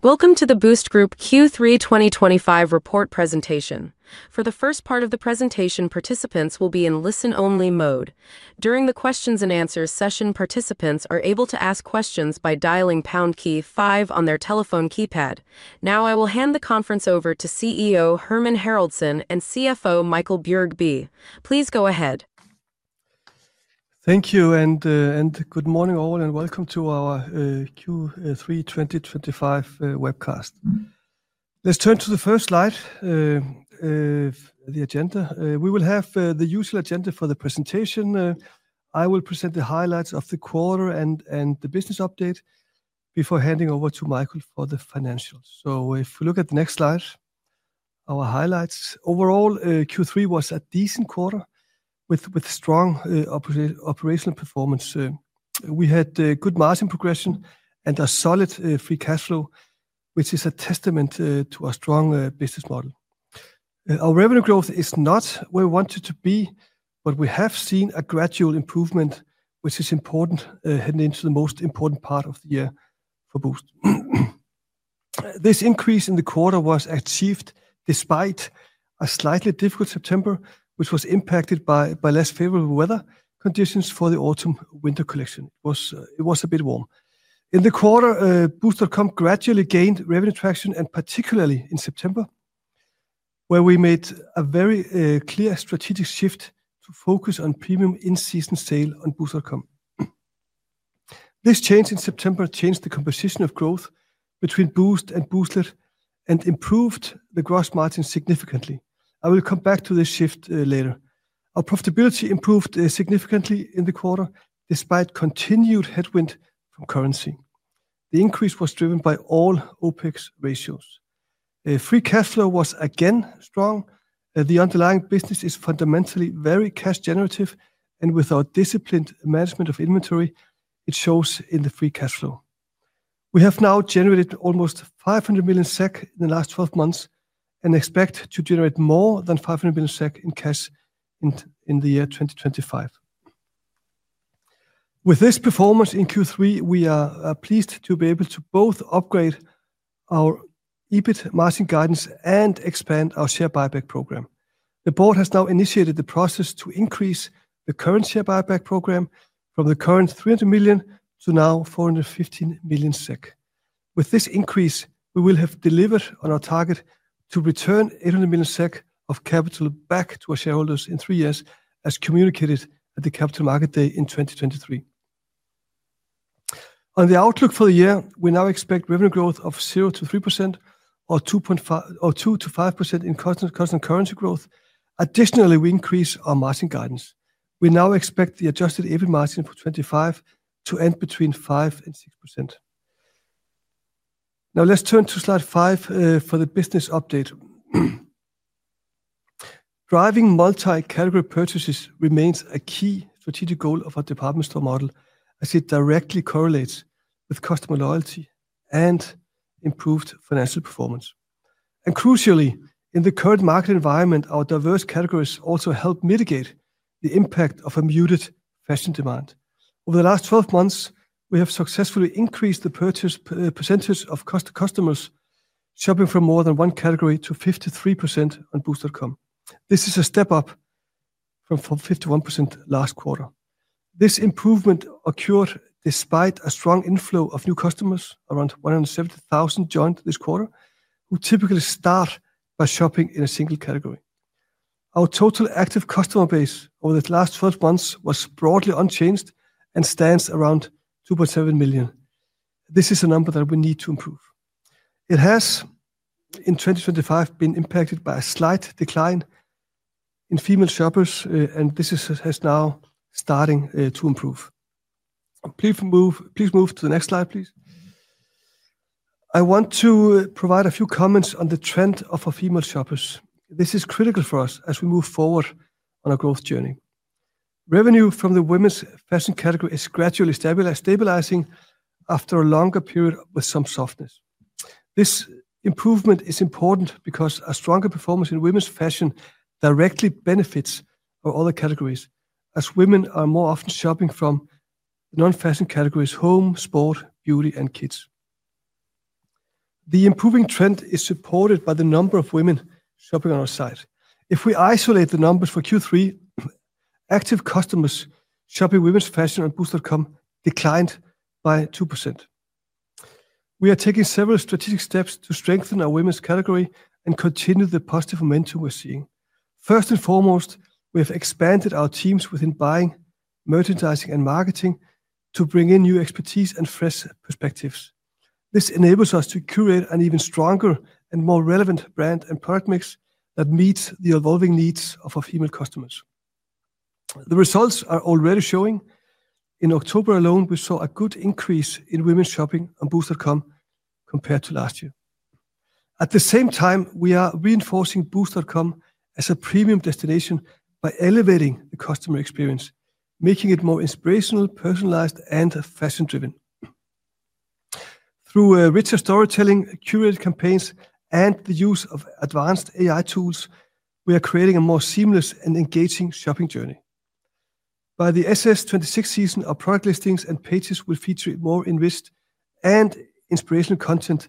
Welcome to the Boozt Group Q3 2025 report presentation. For the first part of the presentation, participants will be in listen-only mode. During the Q&A session, participants are able to ask questions by dialing pound key 5 on their telephone keypad. Now, I will hand the conference over to CEO Hermann Haraldsson and CFO Michael Bjergby. Please go ahead. Thank you, and good morning all, and welcome to our Q3 2025 webcast. Let's turn to the first slide. The agenda. We will have the usual agenda for the presentation. I will present the highlights of the quarter and the business update before handing over to Michael for the financials. If we look at the next slide, our highlights: overall, Q3 was a decent quarter with strong operational performance. We had good margin progression and a solid free cash flow, which is a testament to our strong business model. Our revenue growth is not where we want it to be, but we have seen a gradual improvement, which is important, heading into the most important part of the year for Boozt. This increase in the quarter was achieved despite a slightly difficult September, which was impacted by less favorable weather conditions for the autumn-winter collection. It was a bit warm. In the quarter, boozt.com gradually gained revenue traction, and particularly in September, where we made a very clear strategic shift to focus on premium in-season sale on boozt.com. This change in September changed the composition of growth between Boozt and Booztlet and improved the gross margin significantly. I will come back to this shift later. Our profitability improved significantly in the quarter despite continued headwind from currency. The increase was driven by all OpEx ratios. Free cash flow was again strong. The underlying business is fundamentally very cash-generative, and with our disciplined management of inventory, it shows in the free cash flow. We have now generated almost 500 million SEK in the last 12 months and expect to generate more than 500 million SEK in cash in the year 2025. With this performance in Q3, we are pleased to be able to both upgrade our EBIT margin guidance and expand our share buyback program. The board has now initiated the process to increase the current share buyback program from the current 300 million to now 415 million SEK. With this increase, we will have delivered on our target to return 800 million SEK of capital back to our shareholders in three years, as communicated at the capital market day in 2023. On the outlook for the year, we now expect revenue growth of 0%-3% or 2.5% in constant currency growth. Additionally, we increase our margin guidance. We now expect the adjusted EBIT margin for 2025 to end between 5%-6%. Now, let's turn to slide 5 for the business update. Driving multi-category purchases remains a key strategic goal of our department store model, as it directly correlates with customer loyalty and improved financial performance. Crucially, in the current market environment, our diverse categories also help mitigate the impact of unmuted fashion demand. Over the last 12 months, we have successfully increased the purchase percentage of customers shopping from more than one category to 53% on boozt.com. This is a step up from 51% last quarter. This improvement occurred despite a strong inflow of new customers, around 170,000 joined this quarter, who typically start by shopping in a single category. Our total active customer base over the last 12 months was broadly unchanged and stands around 2.7 million. This is a number that we need to improve. It has, in 2025, been impacted by a slight decline in female shoppers, and this has now started to improve. Please move to the next slide, please. I want to provide a few comments on the trend of our female shoppers. This is critical for us as we move forward on our growth journey. Revenue from the women's fashion category is gradually stabilizing after a longer period with some softness. This improvement is important because our stronger performance in women's fashion directly benefits our other categories, as women are more often shopping from non-fashion categories: home, sport, beauty, and kids. The improving trend is supported by the number of women shopping on our site. If we isolate the numbers for Q3, active customers shopping women's fashion on boozt.com declined by 2%. We are taking several strategic steps to strengthen our women's category and continue the positive momentum we're seeing. First and foremost, we have expanded our teams within buying, merchandising, and marketing to bring in new expertise and fresh perspectives. This enables us to curate an even stronger and more relevant brand and product mix that meets the evolving needs of our female customers. The results are already showing. In October alone, we saw a good increase in women's shopping on boozt.com compared to last year. At the same time, we are reinforcing boozt.com as a premium destination by elevating the customer experience, making it more inspirational, personalized, and fashion-driven. Through richer storytelling, curated campaigns, and the use of advanced AI tools, we are creating a more seamless and engaging shopping journey. By the SS26 season, our product listings and pages will feature more enriched and inspirational content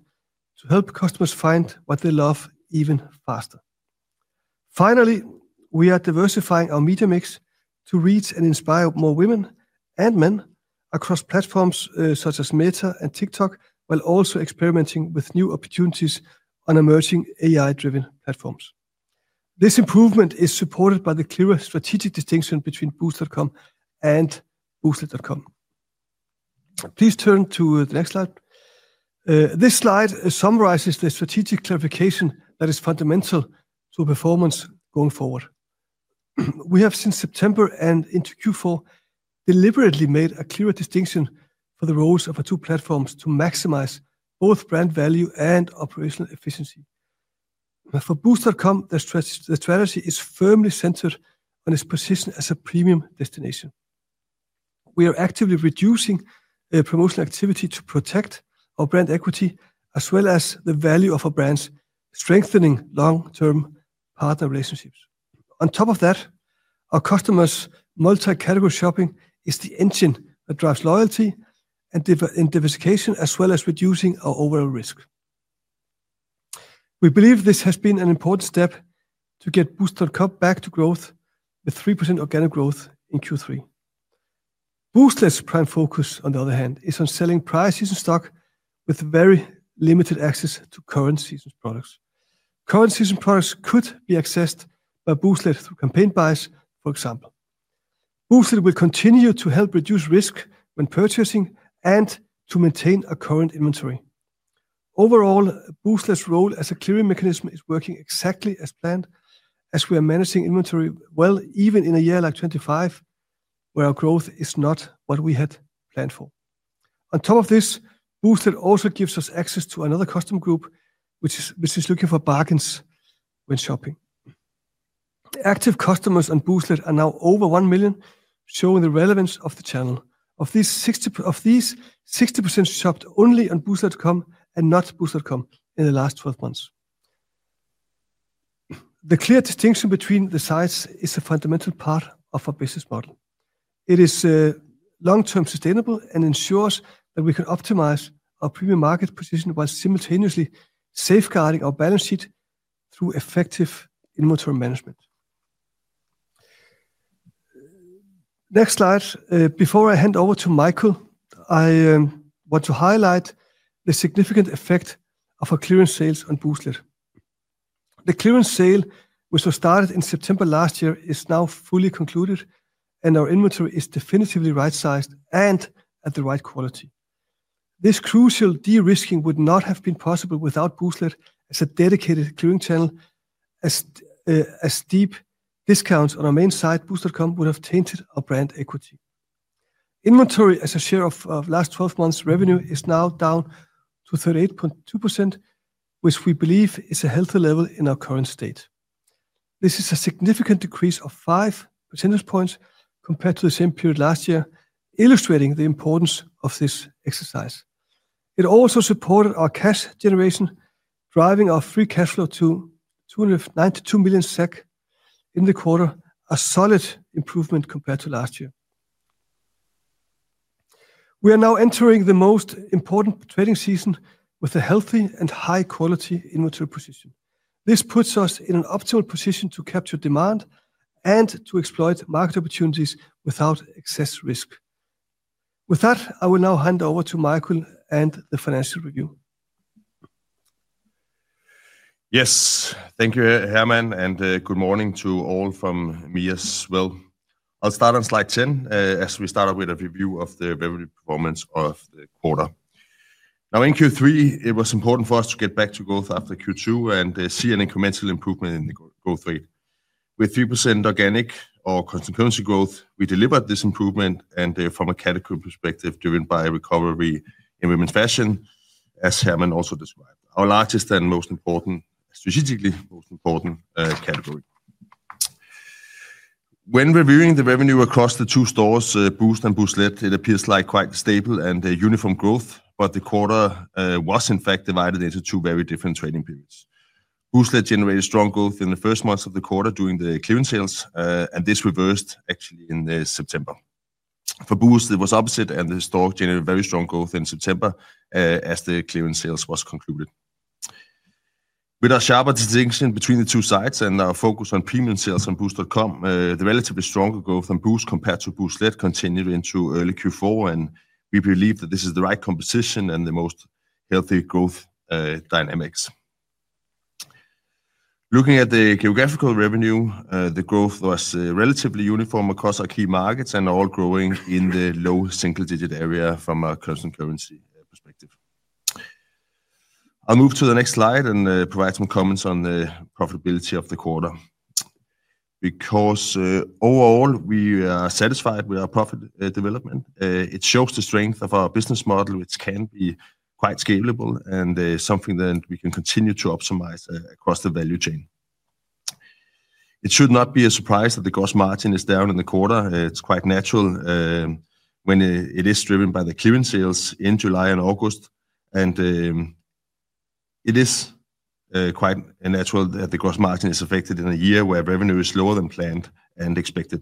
to help customers find what they love even faster. Finally, we are diversifying our media mix to reach and inspire more women and men across platforms such as Meta and TikTok, while also experimenting with new opportunities on emerging AI-driven platforms. This improvement is supported by the clearer strategic distinction between boozt.com and booztlet.com. Please turn to the next slide. This slide summarizes the strategic clarification that is fundamental to performance going forward. We have, since September and into Q4, deliberately made a clearer distinction for the roles of our two platforms to maximize both brand value and operational efficiency. For boozt.com, the strategy is firmly centered on its position as a premium destination. We are actively reducing promotional activity to protect our brand equity, as well as the value of our brands, strengthening long-term partner relationships. On top of that, our customers' multi-category shopping is the engine that drives loyalty and diversification, as well as reducing our overall risk. We believe this has been an important step to get boozt.com back to growth with 3% organic growth in Q3. Booztlet's prime focus, on the other hand, is on selling prior season stock with very limited access to current season products. Current season products could be accessed by Booztlet through campaign buys, for example. Booztlet will continue to help reduce risk when purchasing and to maintain a current inventory. Overall, Booztlet's role as a clearing mechanism is working exactly as planned, as we are managing inventory well, even in a year like 2025, where our growth is not what we had planned for. On top of this, Booztlet also gives us access to another customer group, which is looking for bargains when shopping. Active customers on Booztlet are now over 1 million, showing the relevance of the channel. Of these, 60% shopped only on booztlet.com and not boozt.com in the last 12 months. The clear distinction between the sites is a fundamental part of our business model. It is long-term sustainable and ensures that we can optimize our premium market position while simultaneously safeguarding our balance sheet through effective inventory management. Next slide. Before I hand over to Michael, I want to highlight the significant effect of our clearance sales on Booztlet. The clearance sale, which was started in September last year, is now fully concluded, and our inventory is definitively right-sized and at the right quality. This crucial de-risking would not have been possible without Booztlet as a dedicated clearing channel, as steep discounts on our main site, boozt.com, would have tainted our brand equity. Inventory, as a share of last 12 months' revenue, is now down to 38.2%, which we believe is a healthy level in our current state. This is a significant decrease of 5 percentage points compared to the same period last year, illustrating the importance of this exercise. It also supported our cash generation, driving our free cash flow to 292 million SEK in the quarter, a solid improvement compared to last year. We are now entering the most important trading season with a healthy and high-quality inventory position. This puts us in an optimal position to capture demand and to exploit market opportunities without excess risk. With that, I will now hand over to Michael and the financial review. Yes, thank you, Hermann, and good morning to all from me as well. I'll start on slide 10, as we started with a review of the revenue performance of the quarter. Now, in Q3, it was important for us to get back to growth after Q2 and see an incremental improvement in the growth rate. With 3% organic or constant currency growth, we delivered this improvement from a category perspective, driven by recovery in women's fashion, as Hermann also described. Our largest and most important, strategically most important category. When reviewing the revenue across the two stores, Boozt and Booztlet, it appears like quite stable and uniform growth, but the quarter was, in fact, divided into two very different trading periods. Booztlet generated strong growth in the first months of the quarter during the clearing sales, and this reversed actually in September. For Boozt, it was opposite, and the store generated very strong growth in September as the clearing sales were concluded. With our sharper distinction between the two sites and our focus on premium sales on boozt.com, the relatively stronger growth on Boozt compared to Booztlet continued into early Q4, and we believe that this is the right composition and the most healthy growth dynamics. Looking at the geographical revenue, the growth was relatively uniform across our key markets and all growing in the low single-digit area from a constant currency [perspective]. I'll move to the next slide and provide some comments on the profitability of the quarter. Overall, we are satisfied with our profit development. It shows the strength of our business model, which can be quite scalable and something that we can continue to optimize across the value chain. It should not be a surprise that the gross margin is down in the quarter. It's quite natural when it is driven by the clearing sales in July and August, and it is quite natural that the gross margin is affected in a year where revenue is lower than planned and expected.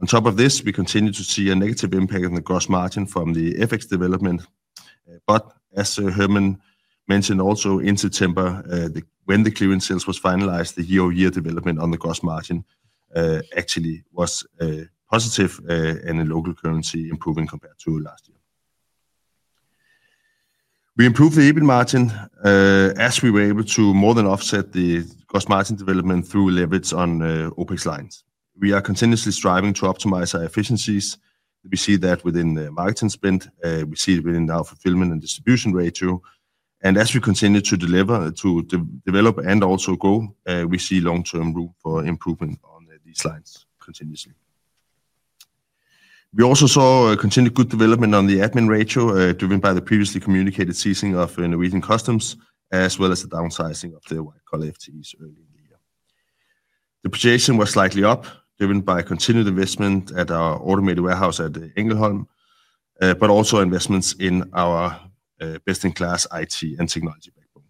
On top of this, we continue to see a negative impact on the gross margin from the FX development. As Hermann mentioned, also in September, when the clearing sales was finalized, the year-over-year development on the gross margin actually was positive and in local currency improving compared to last year. We improved the EBIT margin as we were able to more than offset the gross margin development through leverage on OpEx lines. We are continuously striving to optimize our efficiencies. We see that within the marketing spend. We see it within our fulfillment and distribution ratio. As we continue to develop and also grow, we see long-term room for improvement on these lines continuously. We also saw continued good development on the admin ratio, driven by the previously communicated ceasing of Norwegian customs, as well as the downsizing of the white-collar [FTEs early in the year]. The projection was slightly up, driven by continued investment at our automated warehouse at Ängelholm, but also investments in our best-in-class IT and technology backbone.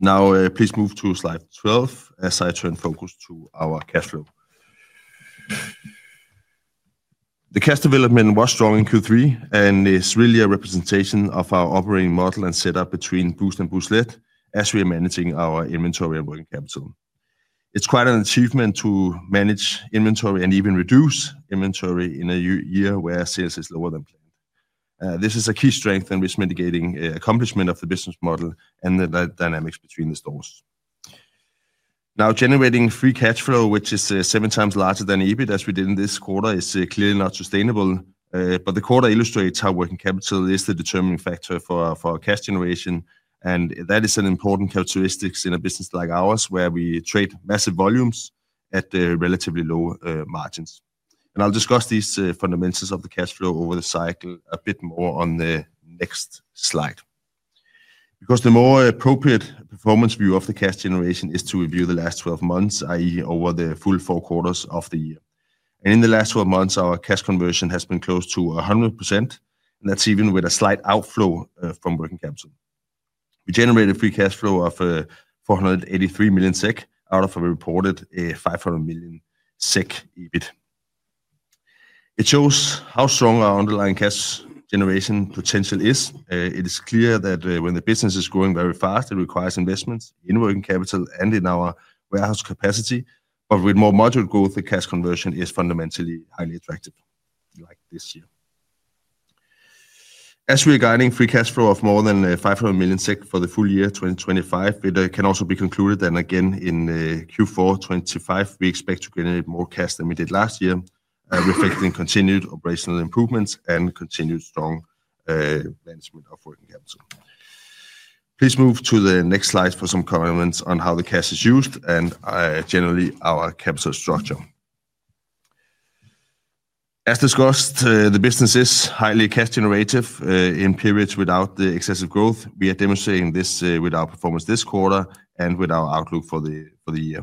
Now, please move to slide 12 as I turn focus to our cash flow. The cash development was strong in Q3 and is really a representation of our operating model and setup between Boozt and Booztlet as we are managing our inventory and working capital. It's quite an achievement to manage inventory and even reduce inventory in a year where sales is lower than planned. This is a key strength and risk mitigating accomplishment of the business model and the dynamics between the stores. Now, generating free cash flow, which is seven times larger than EBIT as we did in this quarter, is clearly not sustainable. The quarter illustrates how working capital is the determining factor for cash generation, and that is an important characteristic in a business like ours, where we trade massive volumes at relatively low margins. I'll discuss these fundamentals of the cash flow over the cycle a bit more on the next slide. The more appropriate performance view of the cash generation is to review the last 12 months, i.e., over the full four quarters of the year. In the last 12 months, our cash conversion has been close to 100%, and that's even with a slight outflow from working capital. We generated free cash flow of 483 million SEK out of a reported 500 million SEK EBIT. It shows how strong our underlying cash generation potential is. It is clear that when the business is growing very fast, it requires investments in working capital and in our warehouse capacity. With more moderate growth, the cash conversion is fundamentally highly attractive, like this year. As we are guiding free cash flow of more than 500 million SEK for the full year 2025, it can also be concluded that again in Q4 2025, we expect to generate more cash than we did last year, reflecting continued operational improvements and continued strong management of working capital. Please move to the next slide for some comments on how the cash is used and generally our capital structure. As discussed, the business is highly cash generative in periods without the excessive growth. We are demonstrating this with our performance this quarter and with our outlook for the year.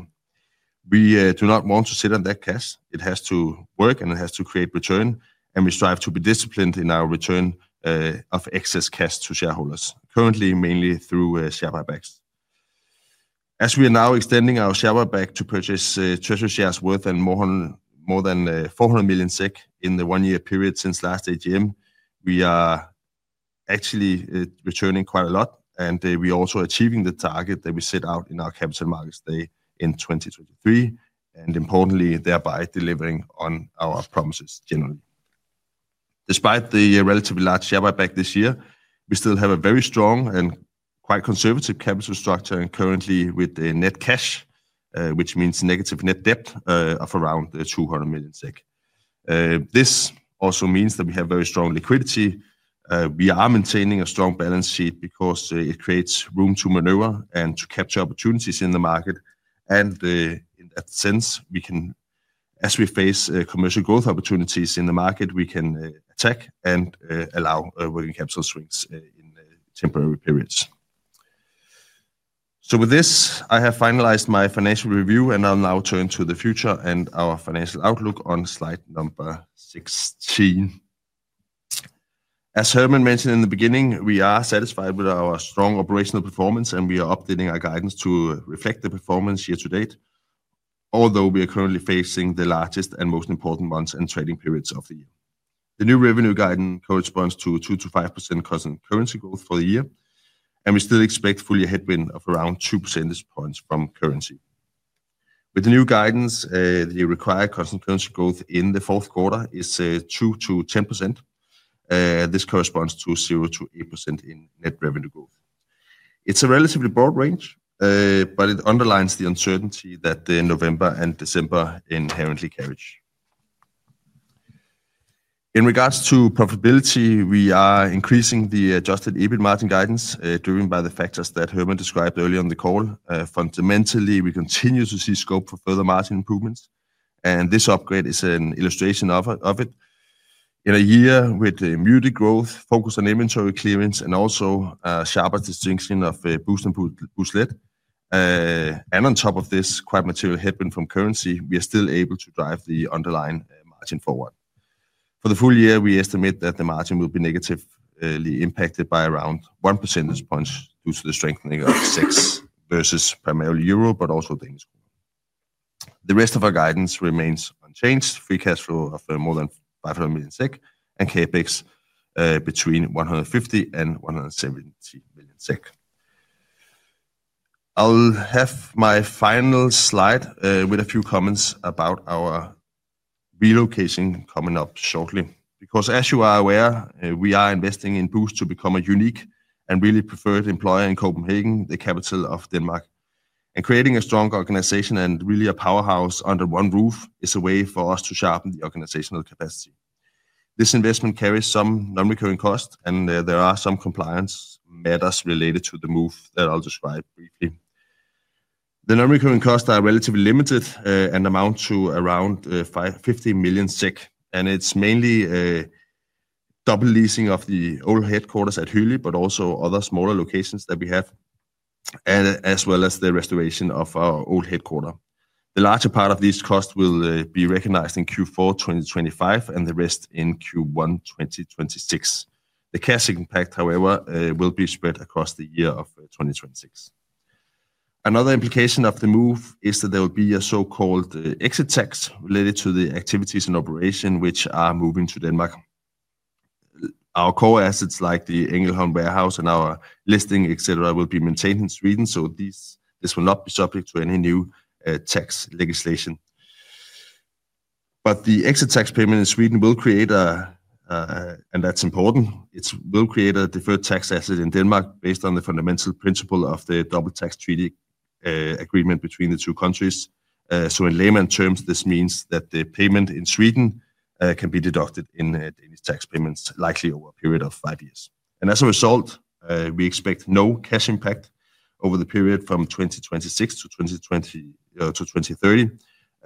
We do not want to sit on that cash. It has to work, and it has to create return, and we strive to be disciplined in our return of excess cash to shareholders, currently mainly through share buybacks. As we are now extending our share buyback to purchase treasury shares worth more than 400 million SEK in the one-year period since last AGM, we are actually returning quite a lot, and we are also achieving the target that we set out in our capital markets day in 2023, and importantly, thereby delivering on our promises generally. Despite the relatively large share buyback this year, we still have a very strong and quite conservative capital structure, and currently with net cash, which means negative net debt of around 200 million SEK. This also means that we have very strong liquidity. We are maintaining a strong balance sheet because it creates room to maneuver and to capture opportunities in the market. In that sense, as we face commercial growth opportunities in the market, we can attack and allow working capital swings in temporary periods. With this, I have finalized my financial review, and I'll now turn to the future and our financial outlook on slide number 16. As Hermann mentioned in the beginning, we are satisfied with our strong operational performance, and we are updating our guidance to reflect the performance year to date, although we are currently facing the largest and most important months and trading periods of the year. The new revenue guidance corresponds to 2%-5% constant currency growth for the year, and we still expect a full year headwind of around 2 percentage points from currency. With the new guidance, the required constant currency growth in the fourth quarter is 2%-10%. This corresponds to 0%-8% in net revenue growth. It's a relatively broad range, but it underlines the uncertainty that November and December inherently carries. In regards to profitability, we are increasing the adjusted EBIT margin guidance driven by the factors that Hermann described earlier on the call. Fundamentally, we continue to see scope for further margin improvements, and this upgrade is an illustration of it. In a year with muted growth, focus on inventory clearance, and also a sharper distinction of Boozt and Booztlet. On top of this quite material headwind from currency, we are still able to drive the underlying margin forward. For the full year, we estimate that the margin will be negatively impacted by around 1 percentage points due to the strengthening of SEK versus primarily euro, but also Danish krone. The rest of our guidance remains unchanged: free cash flow of more than 500 million SEK and CapEx between 150 million-170 million SEK. I'll have my final slide with a few comments about our relocation coming up shortly. Because as you are aware, we are investing in Boozt to become a unique and really preferred employer in Copenhagen, the capital of Denmark. Creating a strong organization and really a powerhouse under one roof is a way for us to sharpen the organizational capacity. This investment carries some non-recurring costs, and there are some compliance matters related to the move that I'll describe briefly. The non-recurring costs are relatively limited and amount to around 50 million SEK, and it's mainly double leasing of the old headquarters at [Hyllie], but also other smaller locations that we have, as well as the restoration of our old headquarter. The larger part of these costs will be recognized in Q4 2025 and the rest in Q1 2026. The cash impact, however, will be spread across the year of 2026. Another implication of the move is that there will be a so-called exit tax related to the activities and operations which are moving to Denmark. Our core assets, like the Ängelholm warehouse and our listing, etc., will be maintained in Sweden, so this will not be subject to any new tax legislation. The exit tax payment in Sweden will create a, and that's important, it will create a deferred tax asset in Denmark based on the fundamental principle of the double tax treaty agreement between the two countries. In layman terms, this means that the payment in Sweden can be deducted in Danish tax payments, likely over a period of five years. As a result, we expect no cash impact over the period from 2026 to 2030.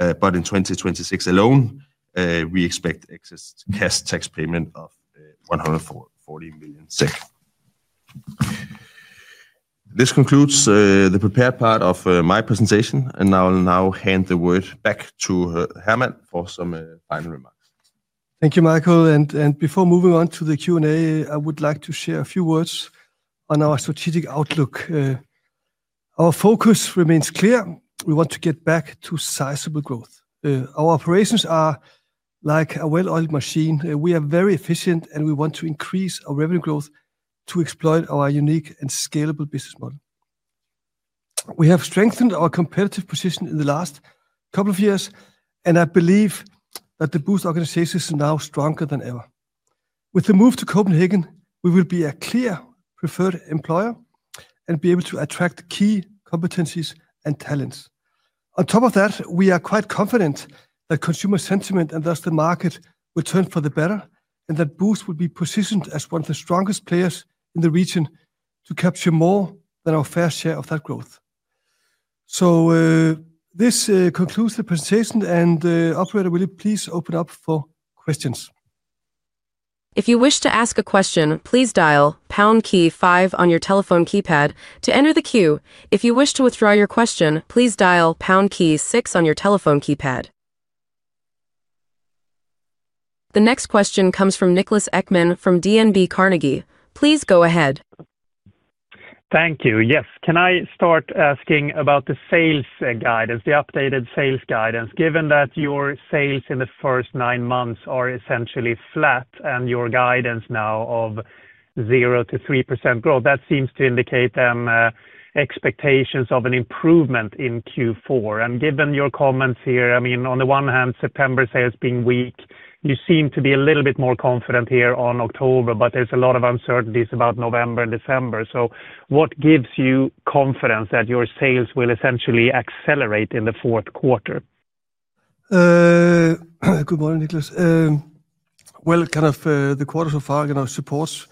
In 2026 alone, we expect excess cash tax payment of 140 million SEK. This concludes the prepared part of my presentation, and I'll now hand the word back to Hermann for some final remarks. Thank you, Michael. Before moving on to the Q&A, I would like to share a few words on our strategic outlook. Our focus remains clear. We want to get back to sizable growth. Our operations are like a well-oiled machine. We are very efficient, and we want to increase our revenue growth to exploit our unique and scalable business model. We have strengthened our competitive position in the last couple of years, and I believe that the Boozt organization is now stronger than ever. With the move to Copenhagen, we will be a clear preferred employer and be able to attract key competencies and talents. On top of that, we are quite confident that consumer sentiment and thus the market will turn for the better, and that Boozt will be positioned as one of the strongest players in the region to capture more than our fair share of that growth. This concludes the presentation, and Operator, will you please open up for questions? If you wish to ask a question, please dial #5 on your telephone keypad to enter the queue. If you wish to withdraw your question, please dial #6 on your telephone keypad. The next question comes from Niklas Ekman from DNB Carnegie. Please go ahead. Thank you. Yes, can I start asking about the sales guidance, the updated sales guidance? Given that your sales in the first nine months are essentially flat and your guidance now of 0%-3% growth, that seems to indicate then expectations of an improvement in Q4. Given your comments here, I mean, on the one hand, September sales being weak, you seem to be a little bit more confident here on October, but there's a lot of uncertainties about November and December. What gives you confidence that your sales will essentially accelerate in the fourth quarter? Good morning, Niklas. The quarter so far supports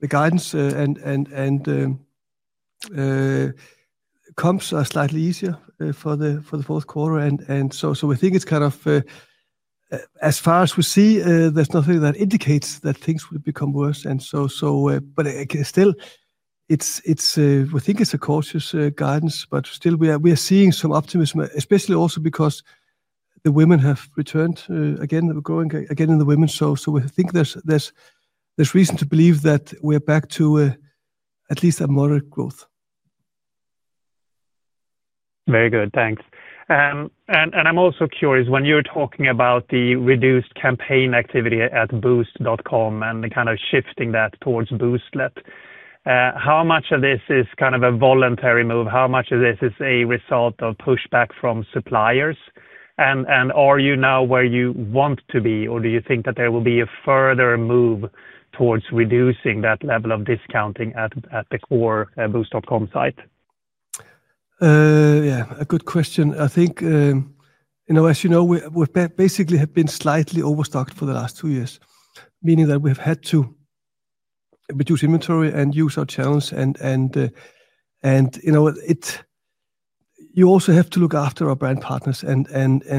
the guidance and comes slightly easier for the fourth quarter. We think it's kind of, as far as we see, there's nothing that indicates that things will become worse. Still, we think it's a cautious guidance, but we are seeing some optimism, especially also because the women have returned again, growing again in the women. We think there's reason to believe that we are back to at least a moderate growth. Very good, thanks. I'm also curious, when you're talking about the reduced campaign activity at boozt.com and kind of shifting that towards Booztlet, how much of this is kind of a voluntary move? How much of this is a result of pushback from suppliers? Are you now where you want to be, or do you think that there will be a further move towards reducing that level of discounting at the core boozt.com site? Yeah, good question. I think, as you know, we basically have been slightly overstocked for the last two years, meaning that we have had to reduce inventory and use our channels. You also have to look after our brand partners, and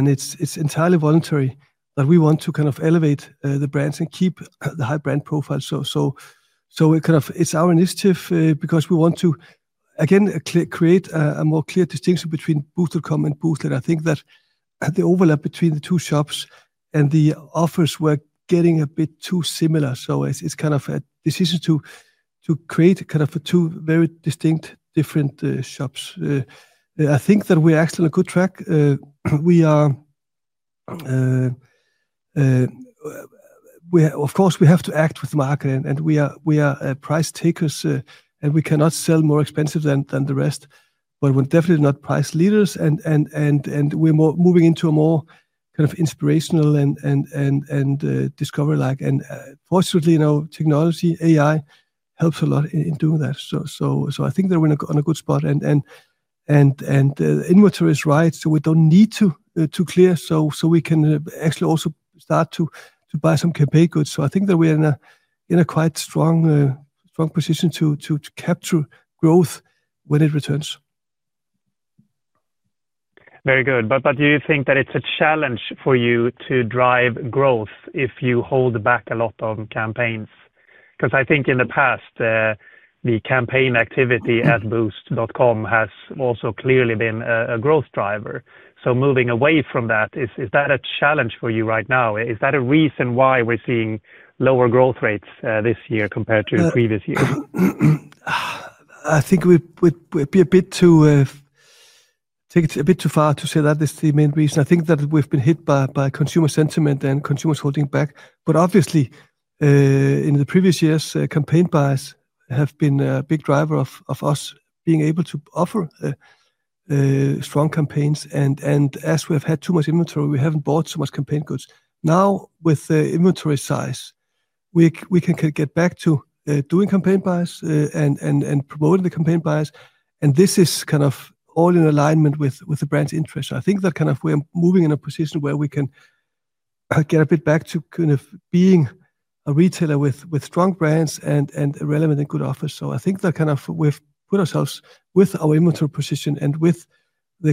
it's entirely voluntary that we want to elevate the brands and keep the high brand profile. It's our initiative because we want to, again, create a more clear distinction between boozt.com and Booztlet. I think that the overlap between the two shops and the offers were getting a bit too similar. It's a decision to create two very distinct, different shops. I think that we're actually on a good track. Of course, we have to act with the market, and we are price takers, and we cannot sell more expensive than the rest. We're definitely not price leaders, and we're moving into a more inspirational and discovery-like. Fortunately, technology, AI, helps a lot in doing that. I think that we're on a good spot. Inventory is right, so we don't need to clear, so we can actually also start to buy some campaign goods. I think that we're in a quite strong position to capture growth when it returns. Very good. Do you think that it's a challenge for you to drive growth if you hold back a lot of campaigns? Because I think in the past, the campaign activity at boozt.com has also clearly been a growth driver. Moving away from that, is that a challenge for you right now? Is that a reason why we're seeing lower growth rates this year compared to previous years? I think it would be a bit too far to say that is the main reason. I think that we've been hit by consumer sentiment and consumers holding back. Obviously. In the previous years, campaign buys have been a big driver of us being able to offer strong campaigns. As we have had too much inventory, we haven't bought so much campaign goods. Now, with the inventory size, we can get back to doing campaign buys and promoting the campaign buys. This is kind of all in alignment with the brand's interest. I think that kind of we're moving in a position where we can get a bit back to kind of being a retailer with strong brands and relevant and good offers. I think that kind of we've put ourselves with our inventory position and with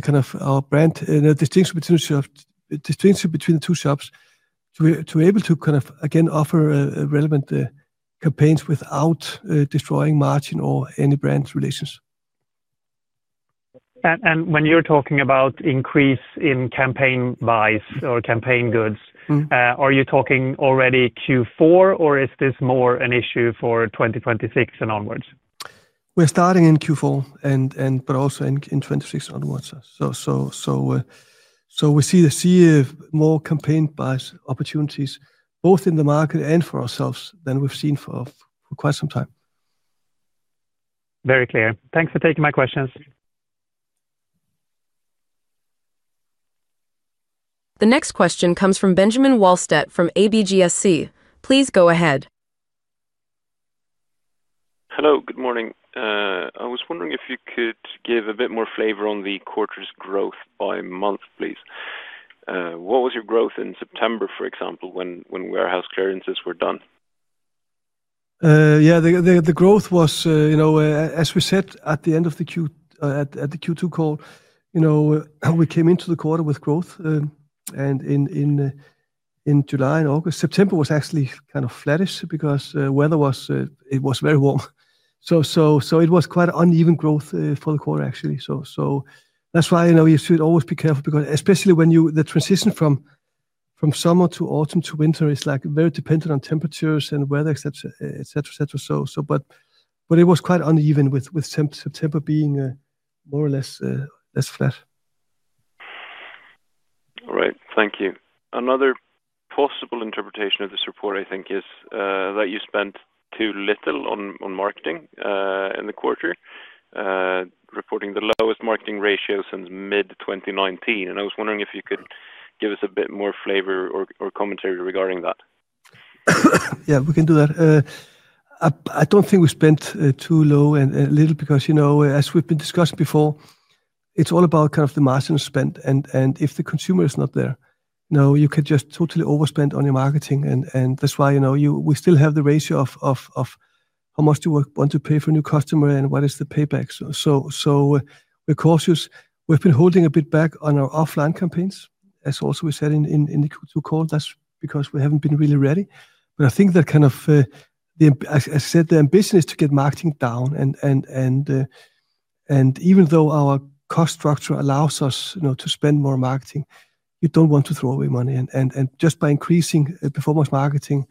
kind of our brand distinction between the two shops to be able to kind of, again, offer relevant campaigns without destroying margin or any brand relations. When you're talking about increase in campaign buys or campaign goods, are you talking already Q4, or is this more an issue for 2026 and onwards? We're starting in Q4, but also in 2026 and onwards. We see more campaign buy opportunities, both in the market and for ourselves than we've seen for quite some time. Very clear. Thanks for taking my questions. The next question comes from Benjamin Wahlstedt from ABGSC. Please go ahead. Hello, good morning. I was wondering if you could give a bit more flavor on the quarter's growth by month, please. What was your growth in September, for example, when warehouse clearances were done? Yeah, the growth was, as we said at the end of the Q2 call, we came into the quarter with growth. In July and August, September was actually kind of flattish because weather was very warm. It was quite uneven growth for the quarter, actually. That's why you should always be careful, especially when the transition from summer to autumn to winter is very dependent on temperatures and weather, etc., etc. It was quite uneven, with September being more or less flat. All right, thank you. Another possible interpretation of this report, I think, is that you spent too little on marketing in the quarter, reporting the lowest marketing ratio since mid-2019. I was wondering if you could give us a bit more flavor or commentary regarding that. Yeah, we can do that. I don't think we spent too low and little because, as we've been discussing before, it's all about kind of the margin spent. If the consumer is not there, you could just totally overspend on your marketing. That's why we still have the ratio of how much do you want to pay for a new customer and what is the payback. We're cautious. We've been holding a bit back on our offline campaigns, as also we said in the Q2 call. That's because we haven't been really ready. I think that as I said, the ambition is to get marketing down. Even though our cost structure allows us to spend more marketing, you don't want to throw away money. Just by increasing performance marketing,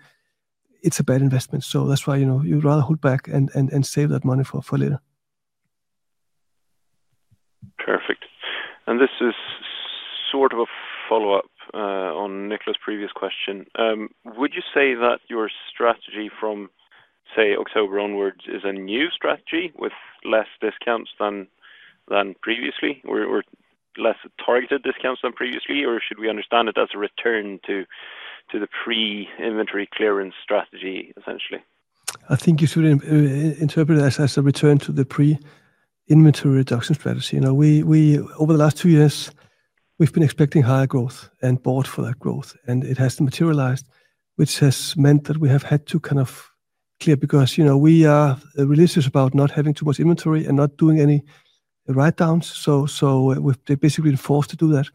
it is a bad investment. That's why you would rather hold back and save that money for later. Perfect. This is sort of a follow-up on Niklas' previous question. Would you say that your strategy from, say, October onwards is a new strategy with less discounts than previously, or less targeted discounts than previously, or should we understand it as a return to the pre-inventory clearance strategy, essentially? I think you should interpret it as a return to the pre-inventory reduction strategy. Over the last two years, we have been expecting higher growth and bought for that growth. It has materialized, which has meant that we have had to kind of clear because we are religious about not having too much inventory and not doing any write-downs. We have basically been forced to do that.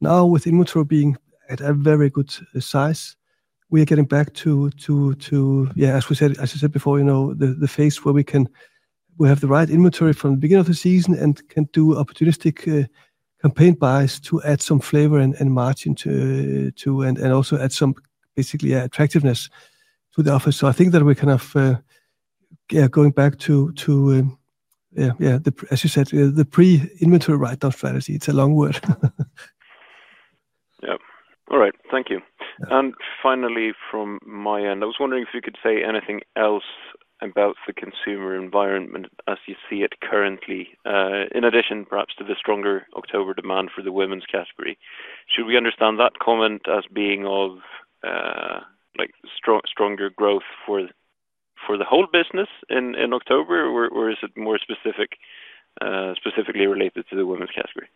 Now, with inventory being at a very good size, we are getting back to, yeah, as I said before, the phase where we have the right inventory from the beginning of the season and can do opportunistic campaign buys to add some flavor and margin. Also add some basically attractiveness to the offer. I think that we are kind of going back to, as you said, the pre-inventory write-down strategy. It is a long word. Yeah. All right, thank you. Finally, from my end, I was wondering if you could say anything else about the consumer environment as you see it currently, in addition perhaps to the stronger October demand for the women's category. Should we understand that comment as being of stronger growth for the whole business in October, or is it more specifically related to the women's category?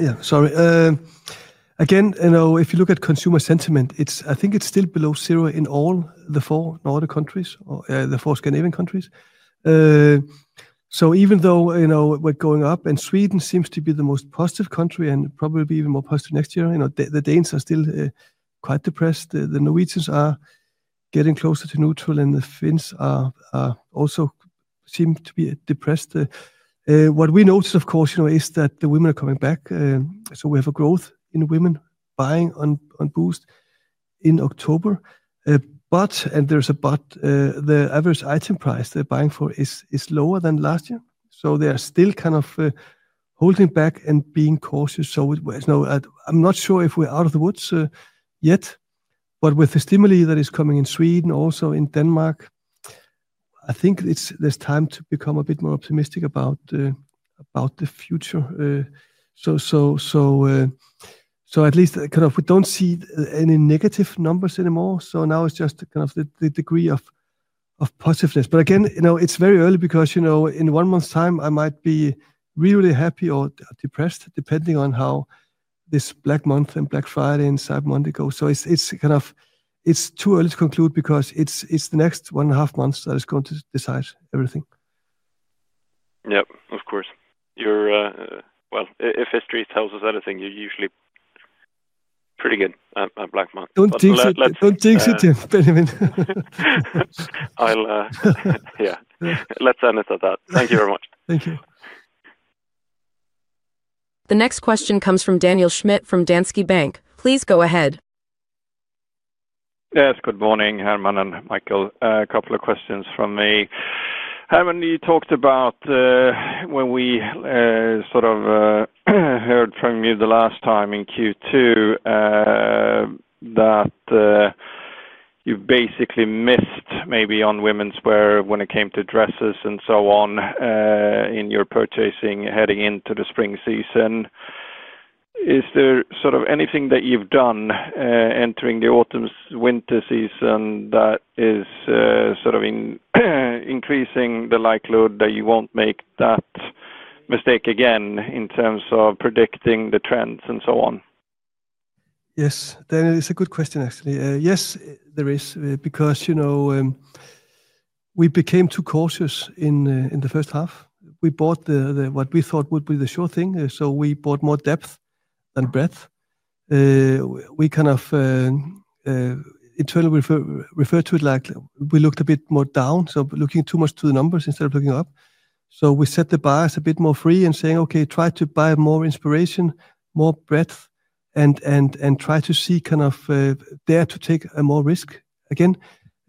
Yeah, sorry. Again, if you look at consumer sentiment, I think it is still below zero in all the four Scandinavian countries. Even though we are going up, and Sweden seems to be the most positive country and probably be even more positive next year, the Danes are still quite depressed. The Norwegians are getting closer to neutral, and the Finns also seem to be depressed. What we noticed, of course, is that the women are coming back. We have a growth in women buying on Boozt in October. There is a but. The average item price they are buying for is lower than last year. They are still kind of holding back and being cautious. I am not sure if we are out of the woods yet. With the stimuli that is coming in Sweden, also in Denmark, I think there is time to become a bit more optimistic about the future. At least kind of we do not see any negative numbers anymore. Now it is just kind of the degree of positiveness. Again, it is very early because in one month's time, I might be really, really happy or depressed, depending on how. This Black Month and Black Friday and Cyber Monday go. It is kind of too early to conclude because it is the next one and a half months that is going to decide everything. Yep, of course. If history tells us anything, you are usually pretty good at Black Month. Do not jinx it, Benjamin. Yeah. Let us end it at that. Thank you very much. Thank you. The next question comes from Daniel Schmidt from Danske Bank. Please go ahead. Yes, good morning, Hermann and Michael. A couple of questions from me. Hermann, you talked about when we sort of heard from you the last time in Q2 that you basically missed maybe on women's wear when it came to dresses and so on in your purchasing heading into the spring season. Is there sort of anything that you have done entering the autumn/winter season that is sort of increasing the likelihood that you will not make that mistake again in terms of predicting the trends and so on? Yes. That is a good question, actually. Yes, there is, because we became too cautious in the first half. We bought what we thought would be the sure thing. We bought more depth than breadth. We kind of internally referred to it like we looked a bit more down, so looking too much to the numbers instead of looking up. We set the bias a bit more free and said, "Okay, try to buy more inspiration, more breadth, and try to see, kind of dare to take more risk again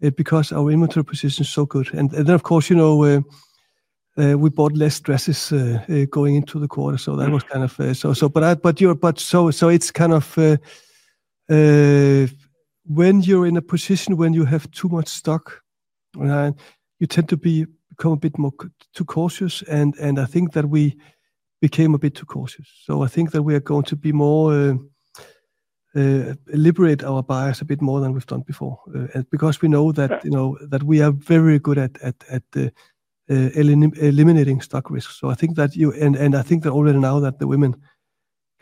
because our inventory position is so good." Then, of course, we bought less dresses going into the quarter. That was kind of so. It is kind of when you are in a position when you have too much stock, you tend to become a bit too cautious. I think that we became a bit too cautious. I think that we are going to be more, liberate our bias a bit more than we have done before because we know that we are very good at eliminating stock risks. I think that you, and I think that already now, that the women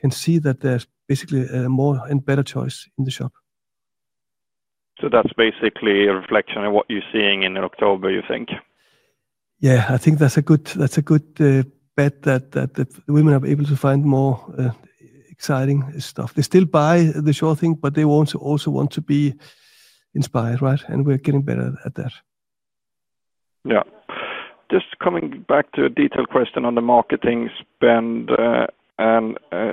can see that there is basically a more and better choice in the shop. That is basically a reflection of what you are seeing in October, you think? Yeah, I think that is a good bet that the women are able to find more exciting stuff. They still buy the sure thing, but they also want to be inspired, right? We are getting better at that. Yeah. Just coming back to a detailed question on the marketing spend.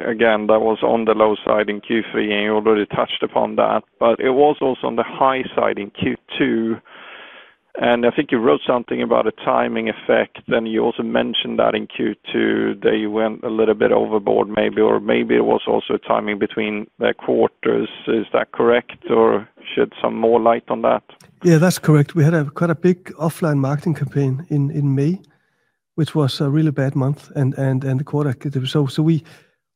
Again, that was on the low side in Q3, and you already touched upon that. It was also on the high side in Q2. I think you wrote something about a timing effect, and you also mentioned that in Q2 they went a little bit overboard maybe, or maybe it was also a timing between their quarters. Is that correct, or shed some more light on that? Yeah, that's correct. We had quite a big offline marketing campaign in May, which was a really bad month. And the quarter, so we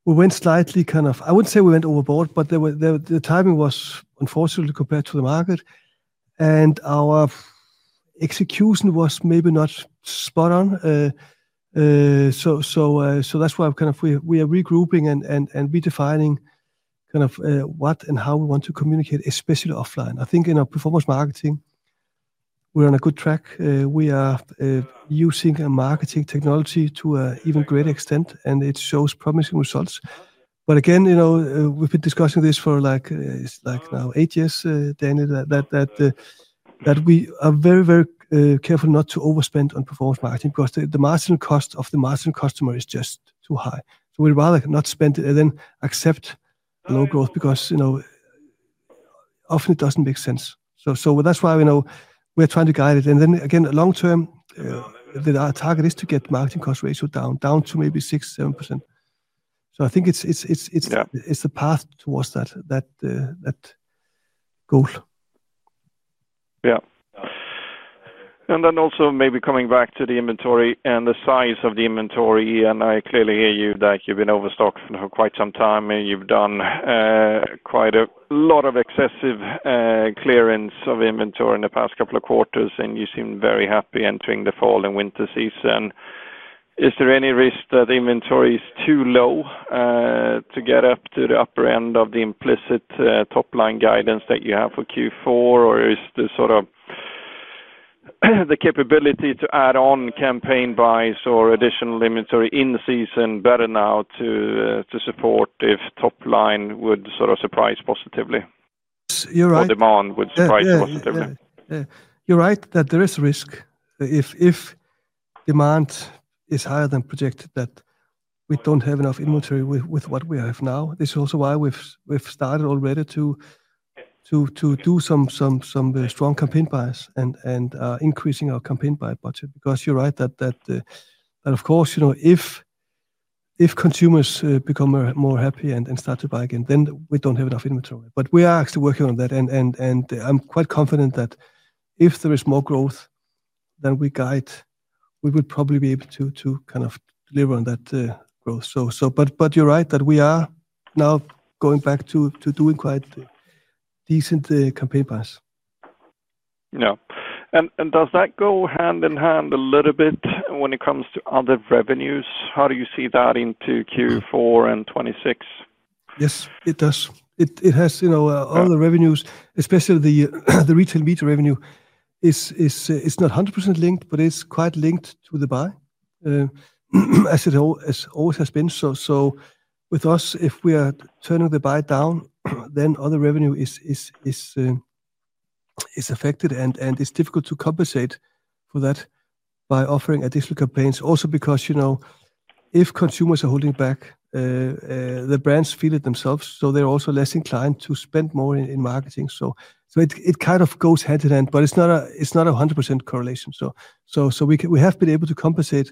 went slightly, kind of, I wouldn't say we went overboard, but the timing was unfortunately compared to the market. Our execution was maybe not spot on. That's why, kind of, we are regrouping and redefining, kind of, what and how we want to communicate, especially offline. I think in our performance marketing, we're on a good track. We are using marketing technology to an even greater extent, and it shows promising results. Again, we've been discussing this for, like, now eight years, Daniel, that we are very, very careful not to overspend on performance marketing because the marginal cost of the margin customer is just too high. We'd rather not spend it and then accept low growth because often it doesn't make sense. That's why we're trying to guide it. Then again, long term, our target is to get marketing cost ratio down to maybe 6%-7%. I think it's the path towards that goal. Yeah. And then also maybe coming back to the inventory and the size of the inventory. I clearly hear you that you've been overstocked for quite some time, and you've done quite a lot of excessive clearance of inventory in the past couple of quarters, and you seem very happy entering the fall and winter season. Is there any risk that inventory is too low to get up to the upper end of the implicit top-line guidance that you have for Q4, or is the sort of capability to add on campaign buys or additional inventory in season better now to support if top-line would sort of surprise positively? You're right. Or demand would surprise positively. Yeah, you're right that there is risk. If demand is higher than projected, that we don't have enough inventory with what we have now. This is also why we've started already to do some strong campaign buys and increasing our campaign buy budget. You're right that, of course, if consumers become more happy and start to buy again, then we don't have enough inventory. We are actually working on that. I'm quite confident that if there is more growth than we guide, we would probably be able to kind of deliver on that growth. You're right that we are now going back to doing quite decent campaign buys. Yeah. Does that go hand in hand a little bit when it comes to other revenues? How do you see that into Q4 and 2026? Yes, it does. It has all the revenues, especially the retail media revenue. It's not 100% linked, but it's quite linked to the buy, as it always has been. With us, if we are turning the buy down, then other revenue is. Affected, and it's difficult to compensate for that by offering additional campaigns. Also because if consumers are holding back, the brands feel it themselves, so they're also less inclined to spend more in marketing. It kind of goes hand in hand, but it's not a 100% correlation. We have been able to compensate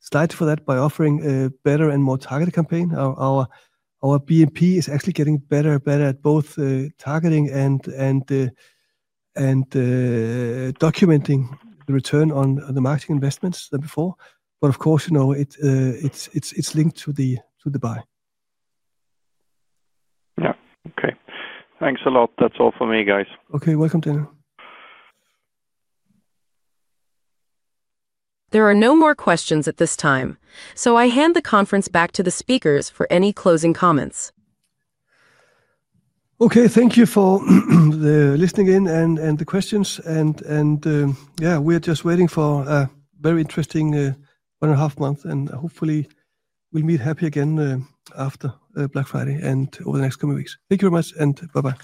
slightly for that by offering a better and more targeted campaign. Our BNP is actually getting better and better at both targeting and documenting the return on the marketing investments than before. Of course, it's linked to the buy. Yeah. Okay. Thanks a lot. That's all for me, guys. Okay. Welcome, Daniel. There are no more questions at this time, so I hand the conference back to the speakers for any closing comments. Okay. Thank you for listening in and the questions. Yeah, we're just waiting for a very interesting one and a half month, and hopefully, we'll meet happy again after Black Friday and over the next coming weeks. Thank you very much, and bye-bye.